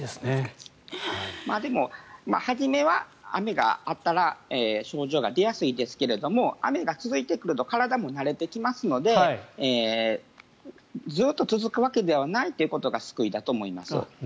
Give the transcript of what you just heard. でも、初めは雨があったら症状が出やすいですけど雨が続いてくると体も慣れてきますのでずっと続くわけではないということが救いだと思います。